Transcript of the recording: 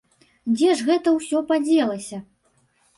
Дзе ж гэта ўсё падзелася?